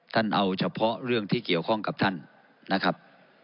ท่านเอาเฉพาะเรื่องที่เกี่ยวข้องกับท่านนะครับ